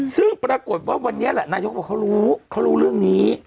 ซึ่งปรากฏว่าวันนี้แหละนายกบอกเขารู้เขารู้เรื่องนี้